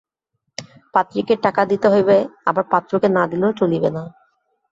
পাত্রীকে টাকা দিতে হইবে আবার পাত্রকে না দিলেও চলিবে না।